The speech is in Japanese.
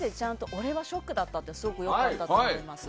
俺はショックだったってすごくよかったと思います。